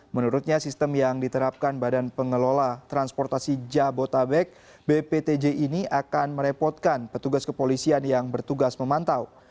menurutnya sistem yang diterapkan badan pengelola transportasi jabotabek bptj ini akan merepotkan petugas kepolisian yang bertugas memantau